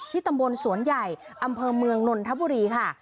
ตำบลสวนใหญ่อำเภอเมืองนนทบุรีค่ะ